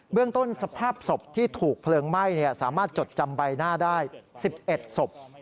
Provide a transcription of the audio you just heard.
เรื่องต้นสภาพศพที่ถูกเพลิงไหม้สามารถจดจำใบหน้าได้๑๑ศพ